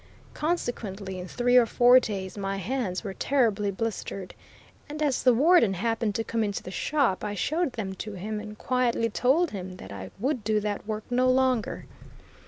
Consequently, in three or four days, my hands were terribly blistered, and as the Warden happened to come into the shop, I showed them to him, and quietly told him that I would do that work no longer.